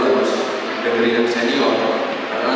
dan berhidup jadi lompat